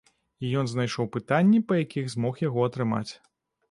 І ён знайшоў пытанні, па якіх змог яго атрымаць.